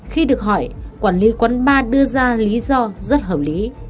khi được hỏi quản lý quán bar đưa ra lý do rất hợp lý